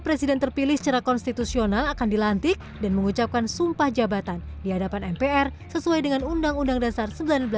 presiden terpilih secara konstitusional akan dilantik dan mengucapkan sumpah jabatan di hadapan mpr sesuai dengan undang undang dasar seribu sembilan ratus empat puluh lima